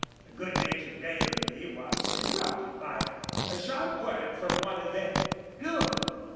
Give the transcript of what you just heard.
The good natured raillery was interrupted by a sharp word from one of them. "Look!